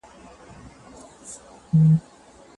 دوی له ډیري مودې راهیسې د تولید پر زیاتوالي کار کوي.